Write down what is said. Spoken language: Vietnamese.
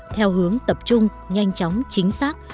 theo hướng tập trung nhanh chóng chính xác